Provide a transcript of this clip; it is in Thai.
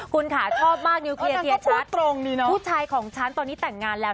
คุณค่ะชอบมากนิวเคลียร์ชัดผู้ชายของฉันตอนนี้แต่งงานแล้ว